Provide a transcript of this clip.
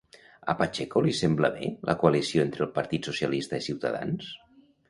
A Pacheco li sembla bé la coalició entre el partit socialista i Ciutadans?